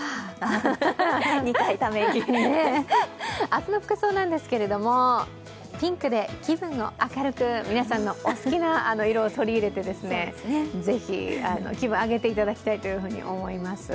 明日の服装なんですがピンクで気分を明るく皆さんのお好きな色を取り入れてぜひ気分を上げていただきたいと思います。